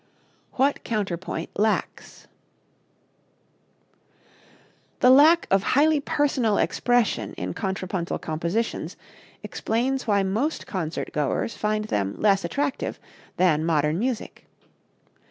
What Counterpoint Lacks. The lack of highly personal expression in contrapuntal compositions explains why most concert goers find them less attractive than modern music.